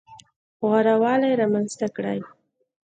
غوره والی رامنځته کړي.